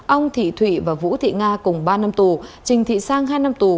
ông thị thụy và vũ thị nga cùng ba năm tù trình thị sang hai năm tù